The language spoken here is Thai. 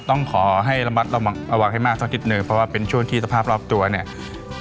ต้องขอให้ระมัดระวังให้มากสักนิดหนึ่งเพราะว่าเป็นช่วงที่สภาพรอบตัวเนี่ย